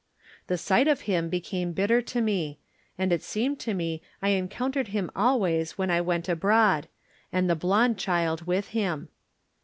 The sight of him became bitter to me, and it seemed to me I encountered him always when I went abroad, and the blond child with him.